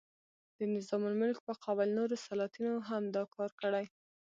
د نظام الملک په قول نورو سلاطینو هم دا کار کړی.